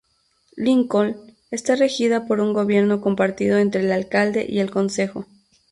Lincoln está regida por un gobierno compartido entre el alcalde y el consejo.